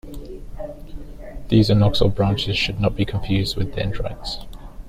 These axonal branches should not be confused with dendrites.